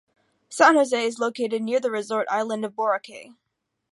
San Jose is located near the resort island of Boracay.